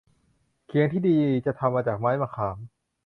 เขียงที่ดี จะทำมาจากไม้มะขาม